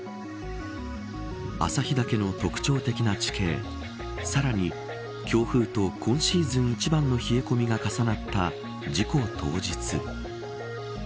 朝日岳の特徴的な地形さらに強風と今シーズン一番の冷え込みが重なった事故当日。